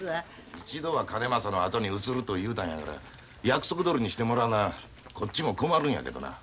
一度はかねまさのあとに移ると言うたんやから約束どおりにしてもらわなこっちも困るんやけどな。